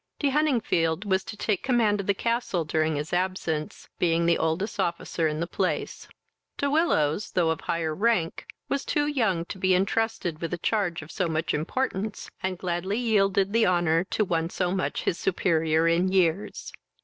De Huntingfield was to take the command of the castle during his absence, being the oldest officer in the place. De Willows, though of higher rank, was too young to be entrusted with a charge of so much importance, and gladly yielded the honour to one so much his superior in years.